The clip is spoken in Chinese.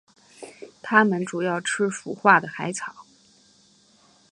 它们主要吃腐化的海草。